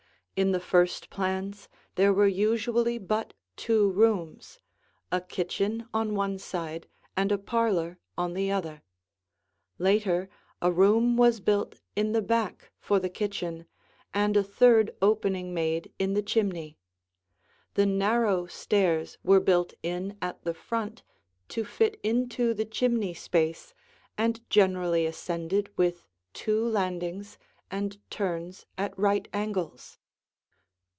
In the first plans, there were usually but two rooms, a kitchen on one side and a parlor on the other. Later, a room was built in the back for the kitchen, and a third opening made in the chimney. The narrow stairs were built in at the front to fit into the chimney space and generally ascended with two landings and turns at right angles.